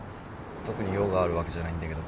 特に用があるわけじゃないんだけど。